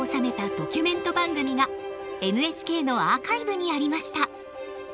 ドキュメント番組がＮＨＫのアーカイブにありました。